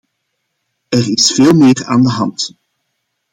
Er is veel meer aan de hand.